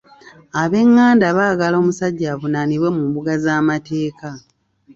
Ab'enganda baagala omusajja avunaanibwe mu mbuga z'amateeka.